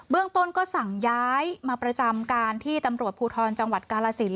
เรื่องต้นก็สั่งย้ายมาประจำการที่ตำรวจภูทรจังหวัดกาลสิน